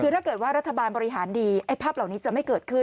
คือถ้าเกิดว่ารัฐบาลบริหารดีไอ้ภาพเหล่านี้จะไม่เกิดขึ้น